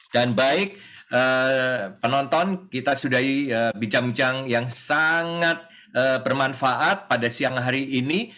dan baik penonton kita sudah bincang bincang yang sangat bermanfaat pada siang hari ini